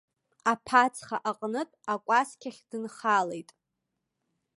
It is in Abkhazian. Аԥацха аҟнытә акәасқьахь дынхалеит.